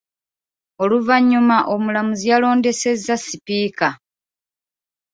Oluvannyuma Omulamuzi yalondesezza Sipiika.